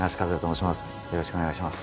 よろしくお願いします。